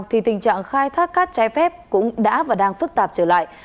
thì tình trạng khai thác cát trái phép cũng đã và đang phức tạp trở lại